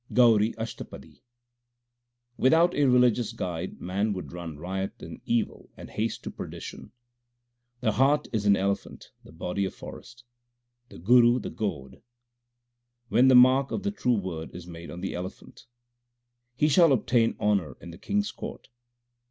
GAURI ASHTAPADI Without a religious guide man would run riot in evil and haste to perdition : The heart is an elephant, the body a forest, The Guru the goad ; when the mark of the true Word is made on the elephant, He shall obtain honour in the King s court.